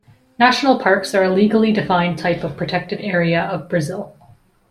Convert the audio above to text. National parks are a legally-defined type of protected area of Brazil.